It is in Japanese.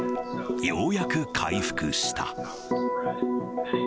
ようやく回復した。